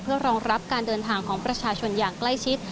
เพื่อรองรับการเดินทางของประชาชนอย่างใกล้ชิด